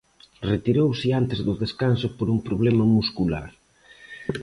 Retirouse antes do descanso por un problema muscular.